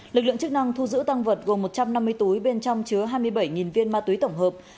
lực lượng chức năng thu giữ tăng vật gồm một trăm năm mươi túi bên trong chứa hai mươi bảy viên ma túy tổng hợp